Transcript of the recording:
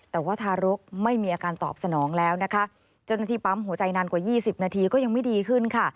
แต่ว่าทารกไม่มีอาการตอบสนองแล้วนะคะเจ้าหน้าที่ปั๊มหัวใจนานกว่า๒๐นาทีก็ยังไม่ดีขึ้นค่ะ